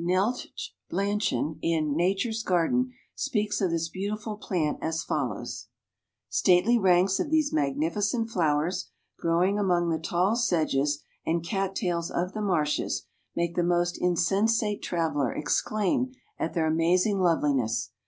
Neltje Blanchan in "Nature's Garden" speaks of this beautiful plant as follows: "Stately ranks of these magnificent flowers, growing among the tall sedges and 'cat tails' of the marshes, make the most insensate traveler exclaim at their amazing loveliness.